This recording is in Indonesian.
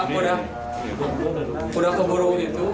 tidak saat sudah keburu